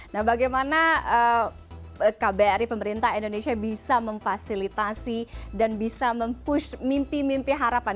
nah bagaimana kbri pemerintah indonesia bisa memfasilitasi dan bisa mempush mimpi mimpi harapan